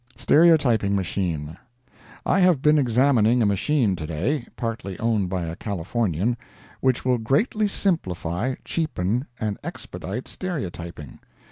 STEREOTYPING MACHINE I have been examining a machine to day, partly owned by a Californian, which will greatly simplify, cheapen and expedite stereotyping.